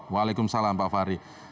wa'alaikumussalam pak fahri